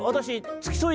「つきそい。